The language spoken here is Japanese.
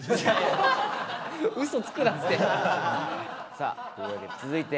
さあというわけで続いて。